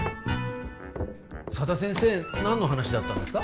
佐田先生何の話だったんですか？